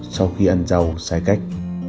sau khi ăn rau sai cách